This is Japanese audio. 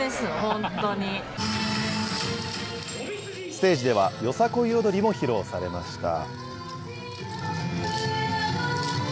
ステージでは、よさこい踊りも披露されました。